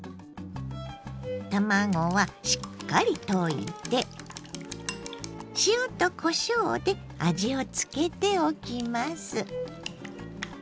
卵はしっかり溶いて塩とこしょうで味を付けておきます。